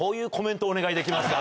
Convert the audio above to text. お願いできますか？